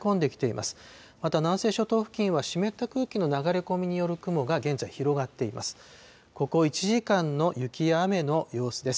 また、南西諸島付近は湿った空気の流れ込みによる雲が現在、広がっています。